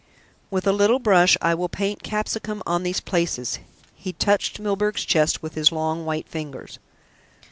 "With a little brush I will paint capsicum on these places." He touched Milburgh's chest with his long white ringers.